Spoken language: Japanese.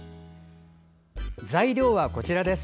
材料はこちらです。